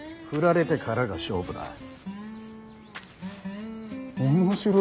振られてからが勝負だ！